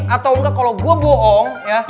atau enggak kalau gue bohong ya